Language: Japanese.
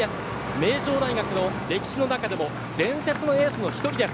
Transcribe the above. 名城大学の歴史の中でも伝説のエースの１人です。